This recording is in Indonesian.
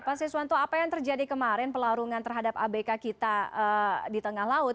pak siswanto apa yang terjadi kemarin pelarungan terhadap abk kita di tengah laut